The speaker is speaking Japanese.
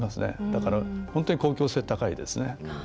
だから、本当に公共性高いですね。